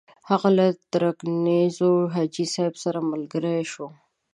هغه له ترنګزیو حاجي صاحب سره ملګری شو.